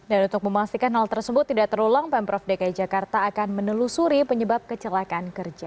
dan untuk memastikan hal tersebut tidak terulang pemprov dki jakarta akan menelusuri penyebab kecelakaan kerja